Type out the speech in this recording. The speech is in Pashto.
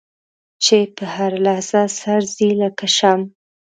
چې په هره لحظه سر ځي لکه شمع.